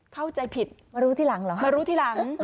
เข้าใจผิดมารู้ทีหลังเหรอคะมารู้ทีหลัง